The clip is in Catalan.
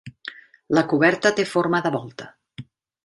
La coberta té forma de volta.